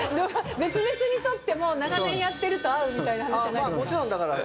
別々にとっても、長年やってると合うみたいな話じゃないんですか。